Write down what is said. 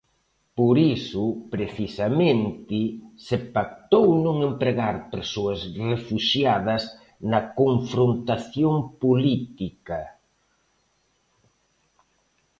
Por iso, precisamente, se pactou non empregar persoas refuxiadas na confrontación política.